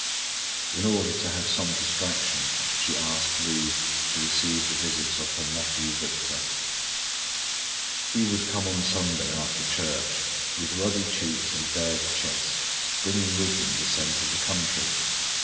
In order to have some distraction, she asked leave to receive the visits of her nephew Victor. He would come on Sunday, after church, with ruddy cheeks and bared chest, bringing with him the scent of the country.